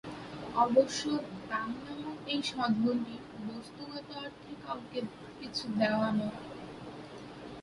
অবশ্য দান নামক এই সদগুণটি বস্ত্তগত অর্থে কাউকে কিছু দেয়া নয়।